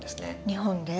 日本で？